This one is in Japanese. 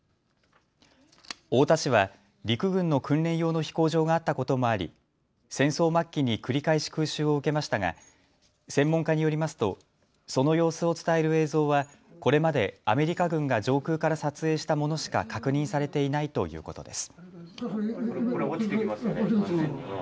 太田市は陸軍の訓練用の飛行場があったこともあり、戦争末期に繰り返し空襲を受けましたが専門家によりますとその様子を伝える映像はこれまでアメリカ軍が上空から撮影したものしか確認されていないということです。